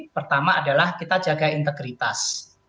pertama adalah kita jaga integritas